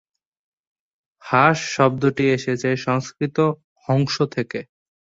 হাঁস শব্দটি এসেছে সংস্কৃত হংস থেকে।